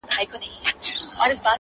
تاسي ځئ ما مي قسمت ته ځان سپارلی!!